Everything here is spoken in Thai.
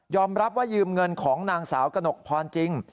รับว่ายืมเงินของนางสาวกระหนกพรจริง